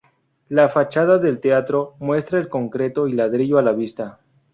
La Fachada del teatro muestra el concreto y ladrillo a la vista.